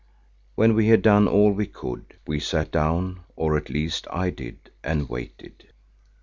When we had done all we could, we sat down, or at least I did, and waited.